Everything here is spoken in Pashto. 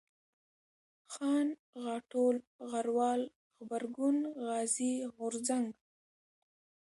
خان ، غاټول ، غروال ، غبرگون ، غازي ، غورځنگ